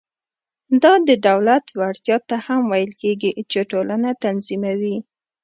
دا د دولت وړتیا ته هم ویل کېږي چې ټولنه تنظیموي.